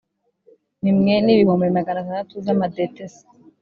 N imwe n ibihumbi magana atandatu z amadetesi